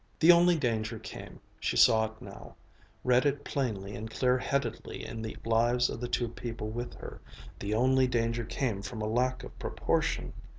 The only danger came, she saw it now, read it plainly and clear headedly in the lives of the two people with her, the only danger came from a lack of proportion.